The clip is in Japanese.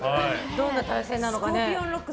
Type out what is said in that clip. どんな対戦なのか。